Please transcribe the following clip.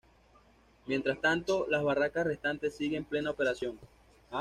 Mientras tanto, las "barracas" restantes siguen en plena operación.